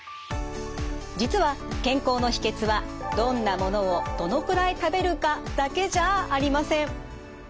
実は健康の秘けつはどんなものをどのくらい食べるかだけじゃありません。